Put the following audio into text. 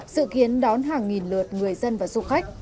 dự kiến đón hàng nghìn lượt người dân và du khách